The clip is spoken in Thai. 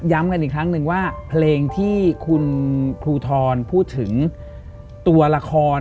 กันอีกครั้งหนึ่งว่าเพลงที่คุณครูทรพูดถึงตัวละคร